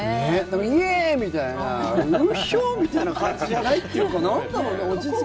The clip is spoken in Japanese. イエーイみたいな、ウヒョーみたいな感じじゃないっていうか、落ち着きが。